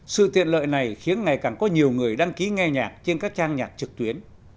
sự tiện lợi này khiến ngày càng có nhiều người đăng ký nghe nhạc trên các trang nhạc trực tuyến